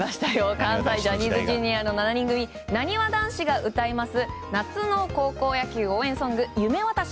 関西ジャニーズＪｒ．の７人組、なにわ男子が歌います夏の高校野球応援ソング「夢わたし」